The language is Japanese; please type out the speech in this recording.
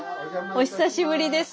お久しぶりです。